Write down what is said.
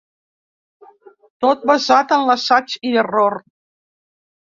Tot basat en l’assaig i error.